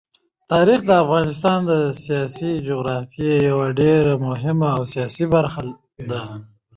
تاریخ د افغانستان د سیاسي جغرافیې یوه ډېره مهمه او اساسي برخه ده.